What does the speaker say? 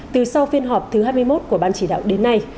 từ sau phiên họp thứ hai mươi một của ban chỉ đạo đến nay